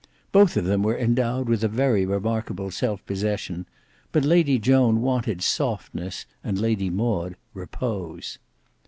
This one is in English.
Both of them were endowed with a very remarkable self possession; but Lady Joan wanted softness, and Lady Maud repose.